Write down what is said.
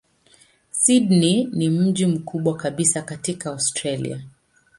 Sydney ni mji mkubwa kabisa katika Australia.